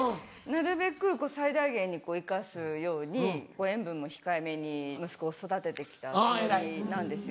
なるべく最大限に生かすように塩分も控えめに息子を育てて来たつもりなんです。